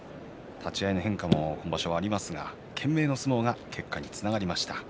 立ち合いの変化も今場所ありますが懸命の相撲が結果につながりました。